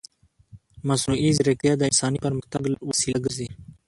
مصنوعي ځیرکتیا د انساني پرمختګ وسیله ګرځي.